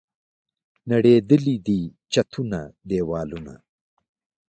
نړېدلي دي چتونه، دیوالونه